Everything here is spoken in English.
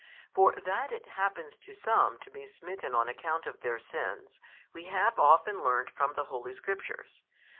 For that it happens to some to be smitten on account of their sins, we have often learnt from the Holy Scriptures.